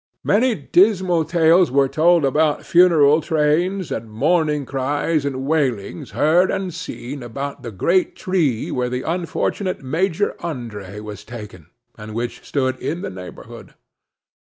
Many dismal tales were told about funeral trains, and mourning cries and wailings heard and seen about the great tree where the unfortunate Major André was taken, and which stood in the neighborhood.